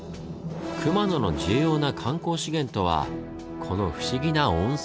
熊野の重要な観光資源とはこの不思議な温泉。